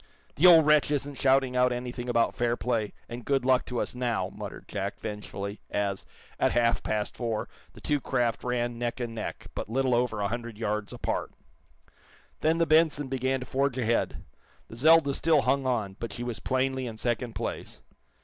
"The old wretch isn't shouting out anything about fair play and good luck to us, now," muttered Jack, vengefully, as, at half past four, the two craft ran neck and neck, but little over a hundred yards apart. Then the "Benson" began to forge ahead. The "Zelda" still hung on, but she was plainly in second place.